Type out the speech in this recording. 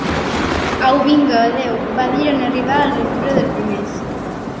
Au vinga, adéu —va dir en arribar a l'altura dels primers.